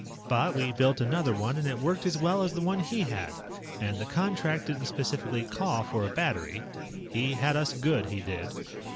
But we built another one, and it worked as well as the one he had. And the contract didn't specifically call for a battery. He had us good, he did."